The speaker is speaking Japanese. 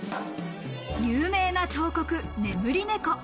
有名な彫刻、眠り猫。